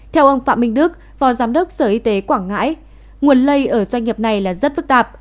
theo ông phạm minh đức phó giám đốc sở y tế quảng ngãi nguồn lây ở doanh nghiệp này là rất phức tạp